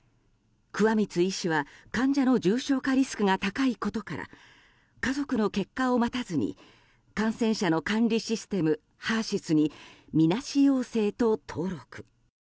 桑満医師は患者の重症化リスクが高いことから家族の結果を待たずに感染者の管理システムＨＥＲ‐ＳＹＳにみなし陽性と登録。